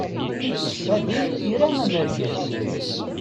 Fadil ira amergaz.